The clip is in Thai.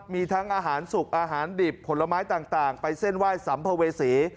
มีทั้งอาหารสุกอาหารดิบผลไม้ต่างไปเส้นไหว้สัมภเวษี